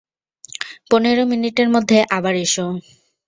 পনেরো মিনিটের মধ্যে আবার এসো।